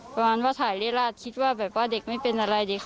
เพราะฉะนั้นถ่ายเรียดราดคิดว่าเด็กไม่เป็นอะไร